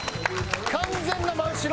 完全な真後ろ！